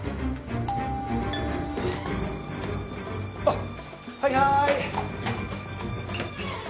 あっはいはい。